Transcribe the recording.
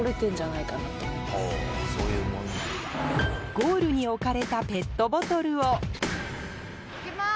ゴールに置かれたペットボトルを行きます！